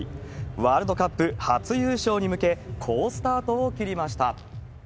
ワールドカップ初優勝に向け、好スタートを切りました。